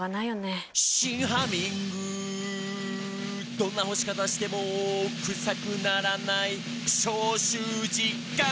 「どんな干し方してもクサくならない」「消臭実感！」